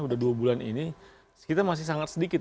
udah dua bulan ini kita masih sangat sedikit